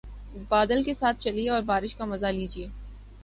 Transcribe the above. بادل کے ساتھ ساتھ چلیے اور بارش کا مزہ لیجئے